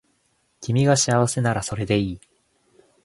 君が幸せならそれでいい